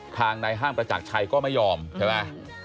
ทางนายห้างประจักรชัยก็ไม่ยอมใช่ไหม